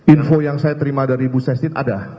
info yang saya terima dari bu sestit ada